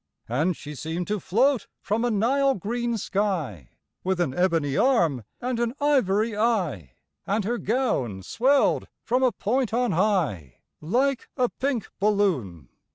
And she seemed to float from a Nile green sky, With an ebony arm and an ivory eye, And her gown swelled from a point on high, Like a pink balloon.